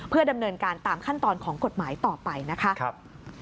เพื่อดำเนินการตามขั้นตอนของกฎหมายต่อไปนะคะ